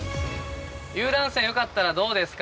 遊覧船よかったらどうですか？